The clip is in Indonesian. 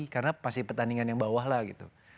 karena pasti pertandingan yang bawah lah gitu